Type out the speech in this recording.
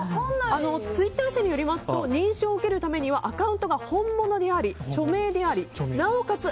ツイッター社によりますと認証を受けるためには本物であり、著名でありなおかつ